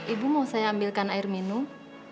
ibu mau saya ambilkan air minum